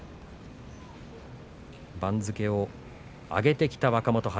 番付を上げてきた若元